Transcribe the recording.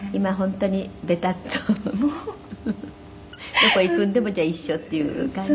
「どこ行くのでもじゃあ一緒っていう感じ？」